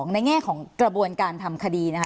ในแง่ของกระบวนการทำคดีนะคะ